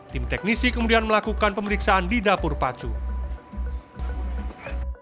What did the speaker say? tim teknisi kemudian melakukan pengecekan di dalam kondisi baterai